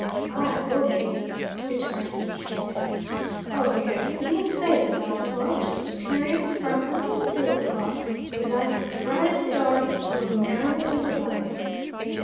"Aye will he," returned Mr. Smith. "Oh if you could have seen his face as I saw it, just peering from under the table cloth, his eyes as bright as stars, and full of merriment and delight."